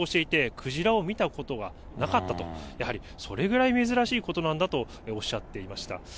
クジラを見ることはなかったと、やはり、それぐらい珍しいことなんだとおっしゃっていました。